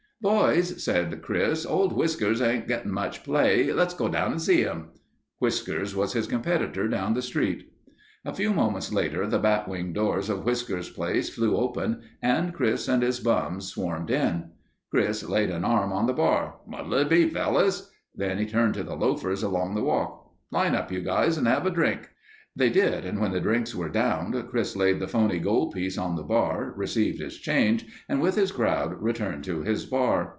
"Boys," said Chris, "old Whiskers ain't getting much play. Let's go down and see him." Whiskers was his competitor down the street. A few moments later the bat wing doors of Whiskers' place flew open and Chris and his bums swarmed in. Chris laid an arm on the bar. "What'll it be fellows?" Then he turned to the loafers along the walk "Line up, you guys and have a drink." They did and when the drinks were downed, Chris laid the phony gold piece on the bar, received his change and with his crowd returned to his bar.